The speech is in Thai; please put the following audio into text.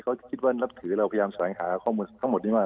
ถือว่าเราพยายามแสนหาข้อมูลทั้งหมดนี้มา